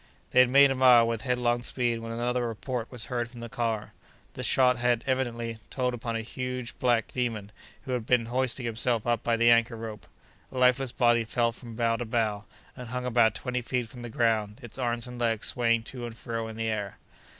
They had made a mile with headlong speed, when another report was heard from the car. The shot had, evidently, told upon a huge black demon, who had been hoisting himself up by the anchor rope. A lifeless body fell from bough to bough, and hung about twenty feet from the ground, its arms and legs swaying to and fro in the air.